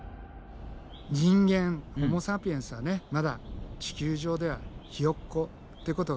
人間ホモサピエンスはねまだ地球上ではヒヨッコってことがわかった？